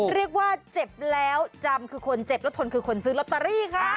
เรียกว่าเจ็บแล้วจำคือคนเจ็บแล้วทนคือคนซื้อลอตเตอรี่ค่ะ